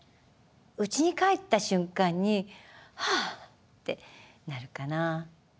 うちに帰った瞬間にはぁってなるかな。